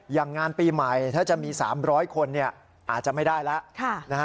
งานปีใหม่ถ้าจะมี๓๐๐คนอาจจะไม่ได้แล้ว